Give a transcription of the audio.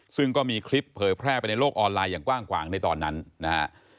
ซึ่งก็มีคลิปเผยแพร่ไปในโลกออนไลน์อย่างกว้างขวางในตอนนั้นนะฮะ